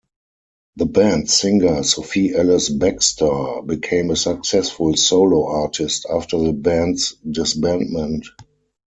The band's singer Sophie Ellis-Bextor became a successful solo artist after the band's disbandment.